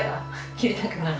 切りたくない？